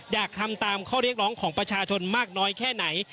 อยากทำตามข้อเรียกร้องของประชาชนมากน้อยแค่ไหน